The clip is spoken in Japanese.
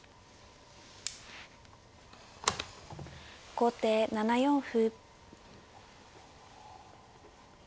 後手７四歩。